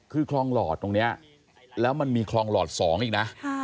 คือคลองหลอดตรงนี้แล้วมันมีคลองหลอด๒อีกนะ